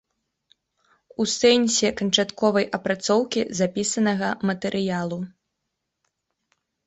У сэнсе канчатковай апрацоўкі запісанага матэрыялу.